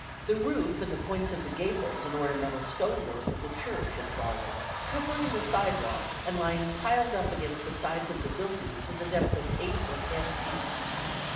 The roof and the points of the gables and ornamental stone work of the church had fallen, covering the sidewalk and lying piled up against the sides of the building to the depth of eight or ten feet.